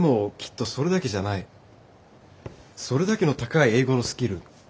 それだけの高い英語のスキル